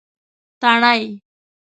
تڼۍ